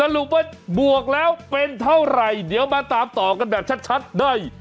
สรุปว่าบวกแล้วเป็นเท่าไหร่เดี๋ยวมาตามต่อกันแบบชัดได้